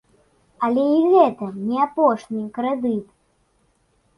Але і гэта не апошні крэдыт.